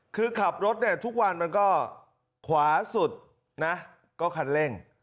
คือขับรถเนี่ยทุกวันมันก็ขวาสุดนะก็คันเร่ง